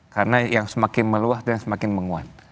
karena yang semakin meluah dan yang semakin menguat